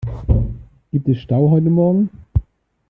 Gibt es Stau heute morgen?